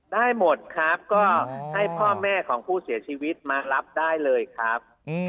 ได้หมดครับก็ให้พ่อแม่ของผู้เสียชีวิตมารับได้เลยครับ